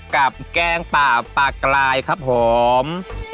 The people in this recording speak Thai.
แกงป่าปลากลายครับผม